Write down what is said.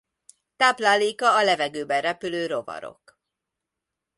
Tápláléka a levegőben repülő rovarok.